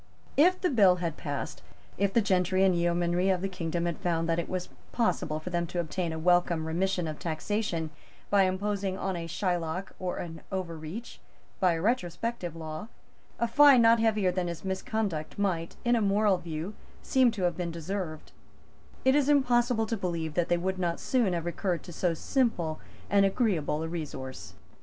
If the bill had passed, if the gentry and yeomanry of the kingdom had found that it was possible for them to obtain a welcome remission of taxation by imposing on a Shylock or an Overreach, by a retrospective law, a fine not heavier than his misconduct might, in a moral view, seem to have deserved, it is impossible to believe that they would not soon have recurred to so simple and agreeable a resource.